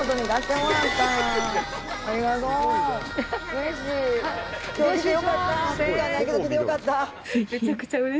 ありがとう。